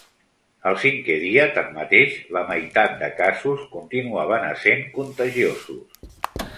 El cinquè dia, tanmateix, la meitat de casos continuaven essent contagiosos.